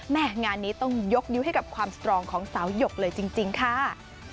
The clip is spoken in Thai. งานนี้ต้องยกนิ้วให้กับความสตรองของสาวหยกเลยจริงค่ะ